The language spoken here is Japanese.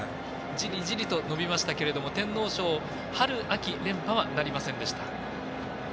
じりじりとは伸びましたけど天皇賞春・秋連覇はなりませんでした。